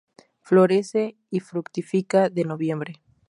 Florece y fructifica de Noviembre.